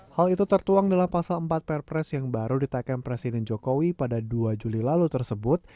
hal itu tertuang dalam pasal empat perpres yang baru ditekan presiden jokowi pada dua juli lalu tersebut